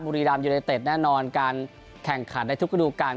บุรีรามยูเนเต็ดแน่นอนการแข่งขันในทุกกระดูกการ